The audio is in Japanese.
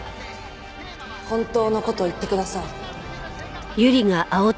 本当の事を言ってください。